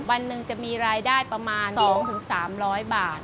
วันหนึ่งจะมีรายได้ประมาณ๒๓๐๐บาท